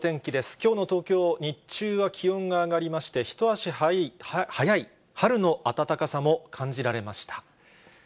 きょうの東京、日中は気温が上がりまして、一足早い春の暖かさも感じられました。